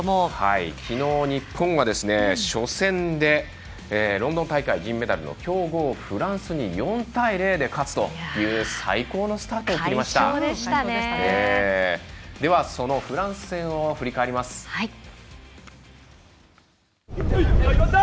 昨日、日本は初戦でロンドン大会銀メダルの強豪フランスに４対０で勝つという最高のスタートを切りました。